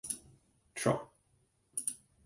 Trop.